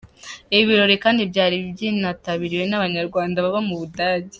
Ibi birori kandi byari byinitabiriwe n’Abanyarwanda baba mu Budage.